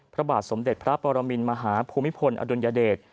พระบาทสมเด็จพระปรมินมหาภูมิพลอดุลยเดช